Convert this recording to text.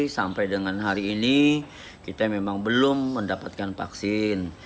sampai dengan hari ini kita memang belum mendapatkan vaksin